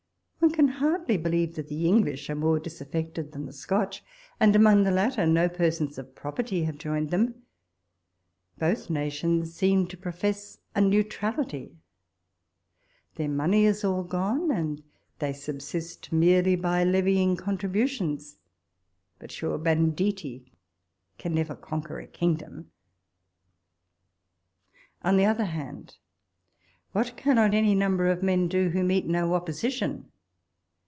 One can hardly be lieve that the English are more disaffected than the Scotch ; and among the latter, no_ persons of property have joined them : both' nations r. 27 34 walpole's letters. seem to profess a neutrality. Their money is all gone, and they subsist merely by levying con tributions. But, sure, banditti can never con quer a kingdom ! On the other hand, what cannot any number of men do who meet no opposition